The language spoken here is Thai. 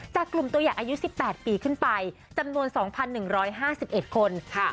กลุ่มตัวอย่างอายุ๑๘ปีขึ้นไปจำนวน๒๑๕๑คน